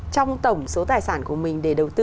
trong tổng số tài sản của mình để đầu tư